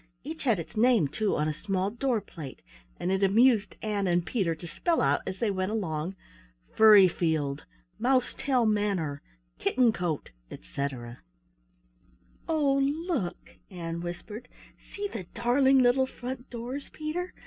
Each had its name, too, on a small door plate, and it amused Ann and Peter to spell out as they went along "Furryfield," "Mousetail Manor," "Kitten cote," etc. "Oh, look," Ann whispered, "see the darling, little, front doors, Peter!